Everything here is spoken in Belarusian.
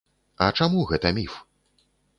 А чаму гэта міф?